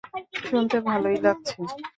শুনতে ভালোই লাগছে।